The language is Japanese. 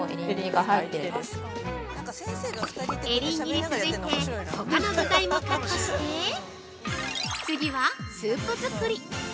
◆エリンギに続いてほかの具材もカットして次はスープ作り。